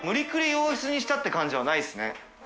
洋室にしたって感じはないですね。